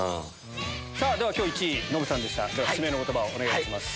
今日１位ノブさんでした締めの言葉をお願いいたします。